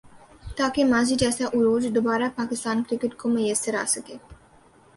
تاکہ ماضی جیسا عروج دوبارہ پاکستان کرکٹ کو میسر آ سکے